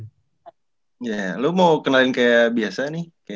iya lu mau kenalin kayak biasa nih